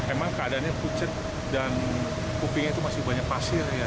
emang keadaannya pucet dan kupingnya itu masih banyak pasir ya